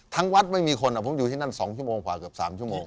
วัดไม่มีคนผมอยู่ที่นั่น๒ชั่วโมงกว่าเกือบ๓ชั่วโมง